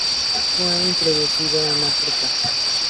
Fue introducido en África.